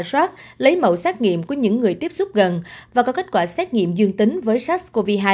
sars lấy mẫu xét nghiệm của những người tiếp xúc gần và có kết quả xét nghiệm dương tính với sars cov hai